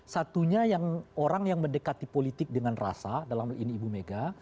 satunya yang orang yang mendekati politik dengan rasa dalam hal ini ibu mega